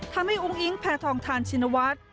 อุ้งอิงแพทองทานชินวัฒน์